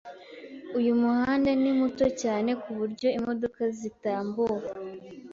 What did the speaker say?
Uyu muhanda ni muto cyane kuburyo imodoka zitambuka.